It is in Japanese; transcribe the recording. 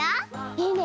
いいね。